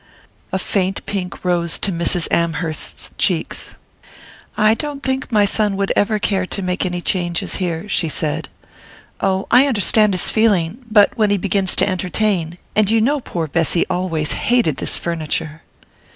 A faint pink rose to Mrs. Amherst's cheeks. "I don't think my son would ever care to make any changes here," she said. "Oh, I understand his feeling; but when he begins to entertain and you know poor Bessy always hated this furniture."